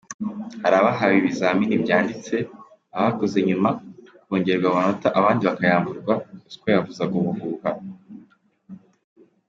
Hari abahawe ibizamini byanditse, abakoze nyuma, kongererwa amanota abandi bakayamburwa, ruswa yavuzaga ubuhuha.